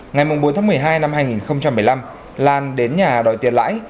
ngày bốn tháng một mươi hai năm hai nghìn một mươi năm lan đến nhà đòi tiền lãi